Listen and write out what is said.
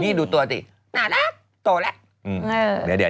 นี่ดูตัวสิหนาแล้กตัวละ